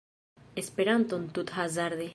Esperanton tuthazarde